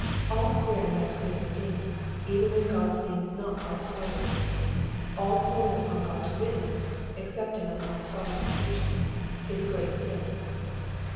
All swearing by created things, even when God's name is not brought forward ;— all calling upon God to witness, ex cepting on the most solemn occasions, is a great sin.